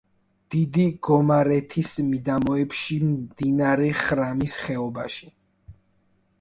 დიდი გომარეთის მიდამოებში, მდინარე ხრამის ხეობაში.